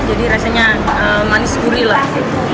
jadi rasanya manis gurih lah